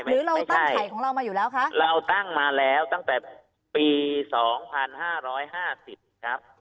หรือเราตั้งไข่ของเรามาอยู่แล้วคะเราตั้งมาแล้วตั้งแต่ปีสองพันห้าร้อยห้าสิบครับ